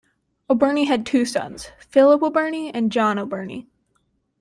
O'Beirne had two sons, Philip O'Beirne and John O'Beirne.